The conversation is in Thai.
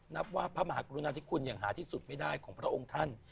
นับว่าพระมหากรุณาธิคุณอย่างหาที่สุดไม่ได้ของพระองค์ท่าน